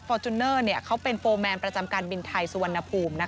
ฟอร์จุนเนอร์เนี่ยเขาเป็นโฟร์แมนประจำการบินไทยสวรรณภูมินะคะ